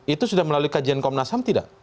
itu sudah melalui kajian komnas ham tidak